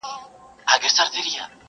اوس نو وکئ قضاوت ګنا دچا ده.